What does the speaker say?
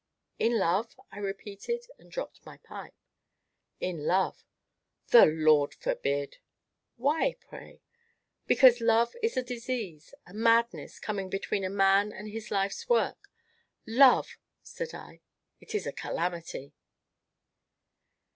"In love?" I repeated, and dropped my pipe. "In love." "The Lord forbid!" "Why, pray?" "Because Love is a disease a madness, coming between a man and his life's work. Love!" said I, "it is a calamity!"